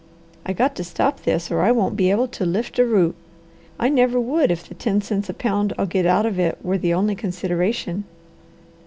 I got to stop this or I won't be able to lift a root. I never would if the ten cents a pound I'll get out of it were the only consideration."